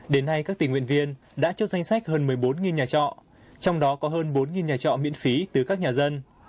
đến nay các tình nguyện viên đã chốt danh sách hơn một mươi bốn nhà trọ trong đó có hơn bốn nhà trọ miễn phí từ các nhà dân